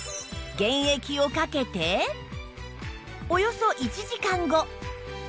原液をかけておよそ１時間後